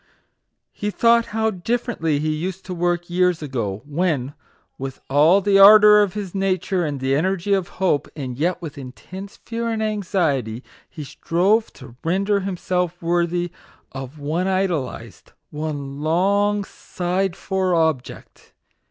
He thought how differently he used to work years ago, when, with all the ardour of his nature and the energy of hope, and yet with intense fear and anxiety, he strove to render himself worthy of one idolized, one long sighed for object